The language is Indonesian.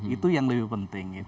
itu yang lebih penting